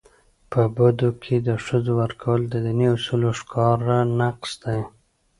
په بدو کي د ښځو ورکول د دیني اصولو ښکاره نقض دی.